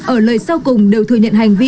ở lời sau cùng đều thừa nhận hành vi